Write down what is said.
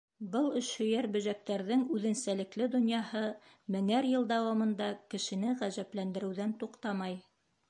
Был эшһөйәр бөжәктәрҙең үҙенсәлекле донъяһы меңәр йыл дауамында кешене ғәжәпләндереүҙән туҡтамай.